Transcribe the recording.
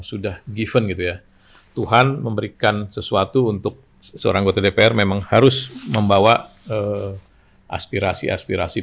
sudah given gitu ya tuhan memberikan sesuatu untuk seorang anggota dpr memang harus membawa aspirasi aspirasi